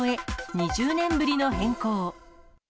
２０年ぶりの変更。